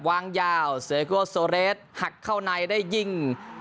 วางยาวสเตอร์โกรสโซเลสหักเข้าในได้ยิ่ง